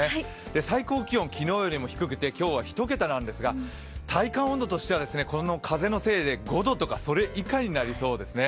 最高気温、昨日よりも低くて、今日は１桁なんですが体感温度としてはこの風のせいで５度とかそれ以下になりそうですね